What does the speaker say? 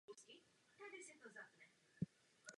Linka spojuje Paříž a Letiště Charlese de Gaulla.